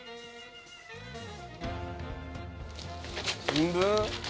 新聞？